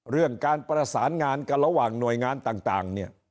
เรื่องการประสานงานกันระหว่างหน่วยงานต่างเนี่ย